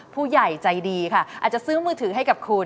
ผู้ใหญ่ใจดีค่ะอาจจะซื้อมือถือให้กับคุณ